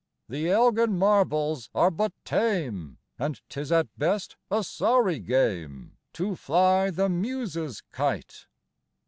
The Elgin marbles are but tame, And 'tis at best a sorry game To fly the Muse's kite!